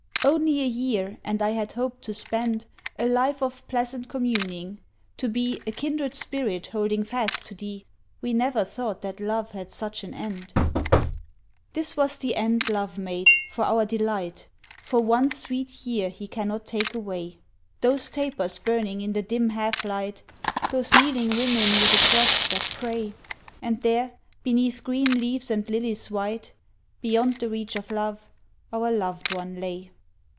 Only a year, and I had hoped to spend A life of pleasant communing, to be A kindred spirit holding fast to thee, We never thought that love had such an end. This was the end love made, for our delight, For one sweet year he cannot take away; Those tapers burning in the dim half light, Those kneeling women with a cross that pray, And there, beneath green leaves and lilies white, Beyond the reach of love, our loved one lay.